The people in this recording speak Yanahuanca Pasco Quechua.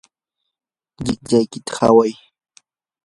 liqliqata qaway